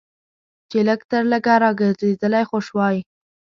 چې لږ تر لږه راګرځېدلی خو شوای.